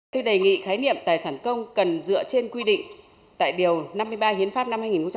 tôi đề nghị khái niệm tài sản công cần dựa trên quy định tại điều năm mươi ba hiến pháp năm hai nghìn một mươi ba